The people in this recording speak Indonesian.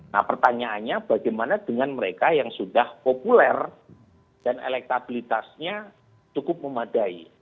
nah pertanyaannya bagaimana dengan mereka yang sudah populer dan elektabilitasnya cukup memadai